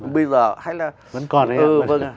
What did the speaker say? bây giờ hay là vẫn còn đấy ạ